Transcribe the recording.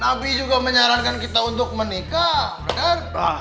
nabi juga menyarankan kita untuk menikah berkar